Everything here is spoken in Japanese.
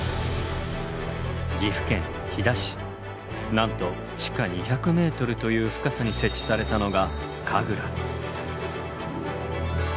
なんと地下２００ｍという深さに設置されたのがＫＡＧＲＡ。